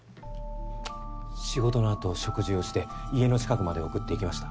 仕事の後食事をして家の近くまで送っていきました。